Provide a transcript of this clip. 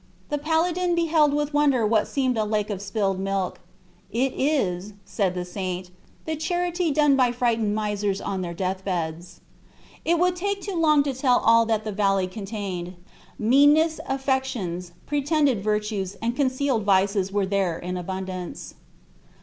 The paladin beheld with wonder what seemed a lake of spilled milk. "It is," said the saint, "the charity done by frightened misers on their death beds." It would take too long to tell all that the valley contained: meanness, affectations, pretended virtues, and concealed vices were there in abundance.